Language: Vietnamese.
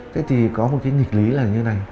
thế thì có một cái nghịch lý là như thế này